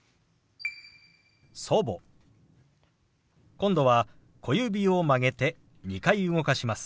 今度は小指を曲げて２回動かします。